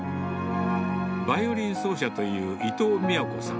バイオリン奏者という伊藤三和子さん。